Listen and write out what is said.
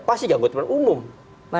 pasti dianggut pemberitahuan umum